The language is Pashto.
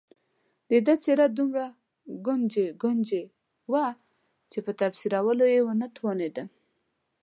د ده څېره دومره ګونجي ګونجي وه چې په تفسیرولو یې ونه توانېدم.